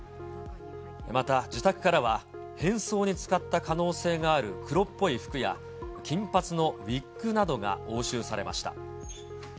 また、自宅からは変装に使った可能性がある黒っぽい服や、金髪のウィッグなどが押収されました。